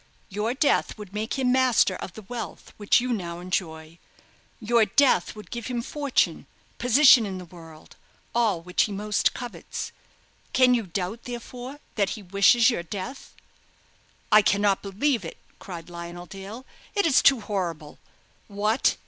Your death would make him master of the wealth which you now enjoy; your death would give him fortune, position in the world all which he most covets. Can you doubt, therefore, that he wishes your death?" "I cannot believe it!" cried Lionel Dale; "it is too horrible. What!